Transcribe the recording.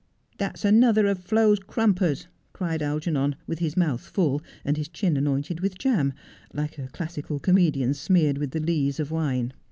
' That's another of Flo's crumpers,' cried Algernon, with his mouth full, and his chin anointed with jam, like a classical comedian smeared with the lees of wine.